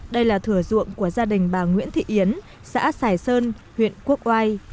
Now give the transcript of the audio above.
đây là thừa ruộng của gia đình bà nguyễn thị yến xã xài sơn huyện quốc oai